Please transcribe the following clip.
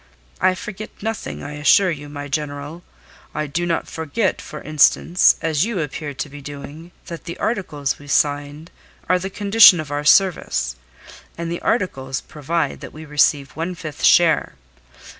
"I forget nothing, I assure you, my General. I do not forget, for instance, as you appear to be doing, that the articles we signed are the condition of our service; and the articles provide that we receive one fifth share.